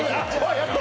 やった！